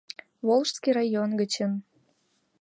Волжский район гычын